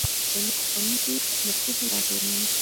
د لیک ښوونکي د پوهې لارښوونکي وو.